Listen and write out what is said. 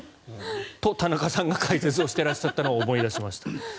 と、田中さんが解説していらっしゃったのを覚えていました。